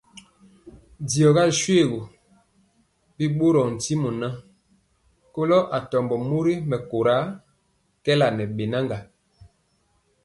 Diɔga ri shoégu, bi ɓorɔɔ ntimɔ ŋan, kɔlo atɔmbɔ mori mɛkóra kɛɛla ŋɛ beŋa.